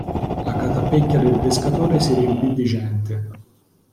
La catapecchia del pescatore si riempì di gente.